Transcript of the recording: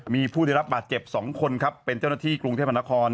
มีผู้ได้รับบาดเจ็บ๒คนครับเป็นเจ้าหน้าที่กรุงเทพมนาคม